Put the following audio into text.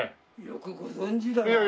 よくご存じだわ。